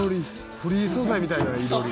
フリー素材みたいな囲炉裏。